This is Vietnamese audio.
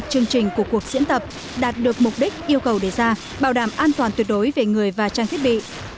chương trình của cuộc diễn tập đạt được mục đích yêu cầu đề ra bảo đảm an toàn tuyệt đối về người và trang thiết bị